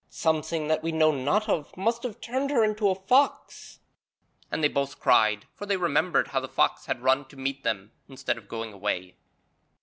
Something that we know not of must have turned her into a fox.' And they both cried, for they remembered how the fox had run to meet them instead of going away.